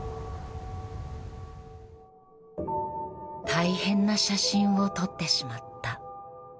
大変な写真を撮ってしまった。